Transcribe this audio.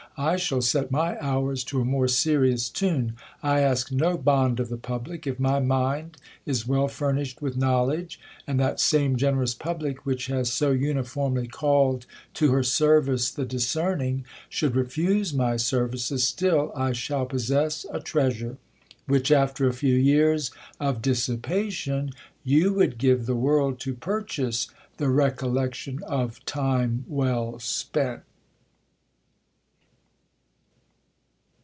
I shall set my hours to a more serious tune. I ask no bond of the public. If my mind is well furnished with knowledge, and that same generous public, which has so uniformly called to her service the discerning, should refusemy services, still I shall possess a treasure, which, after a few years of dissipation, you would give the world to purchase, THE RECOLLECTION OF TIME WELL SPENT.